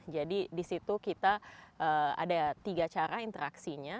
jadi di situ kita ada tiga cara interaksinya